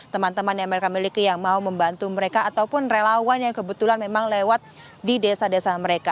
teman teman yang mereka miliki yang mau membantu mereka ataupun relawan yang kebetulan memang lewat di desa desa mereka